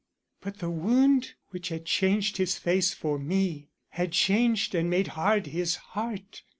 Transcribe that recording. But the wound which had changed his face for me had changed and made hard his heart.